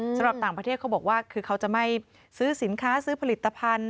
สำหรับต่างประเทศเขาบอกว่าคือเขาจะไม่ซื้อสินค้าซื้อผลิตภัณฑ์